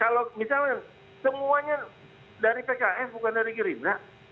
kalau misalnya semuanya dari pks bukan dari gerindra